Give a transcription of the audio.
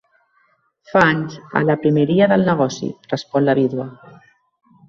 Fa anys, a la primeria del negoci —respon la vídua—.